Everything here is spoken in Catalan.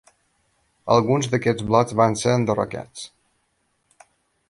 Alguns d'aquests blocs van ser enderrocats.